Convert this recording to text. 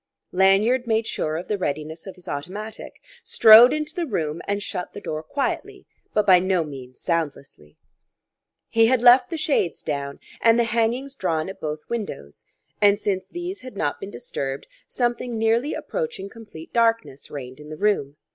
Lanyard made sure of the readiness of his automatic, strode into the room, and shut the door quietly but by no means soundlessly. He had left the shades down and the hangings drawn at both windows; and since these had not been disturbed, something nearly approaching complete darkness reigned in the room.